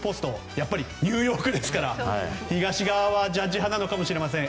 やっぱりニューヨークですから東側はジャッジ派なのかもしれません。